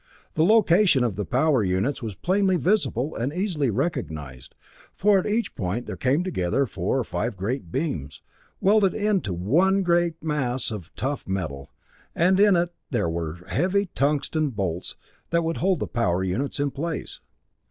The location of the power units was plainly visible and easily recognized, for at each point there came together four or five great beams, welded into one great mass of tough metal, and in it there were set heavy tungsten bolts that would hold the units in place.